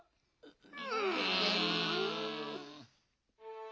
うん。